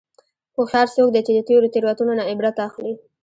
هوښیار څوک دی چې د تېرو تېروتنو نه عبرت اخلي.